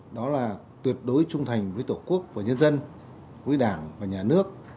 đối trung thành với tổ quốc và nhân dân với đảng và nhà nước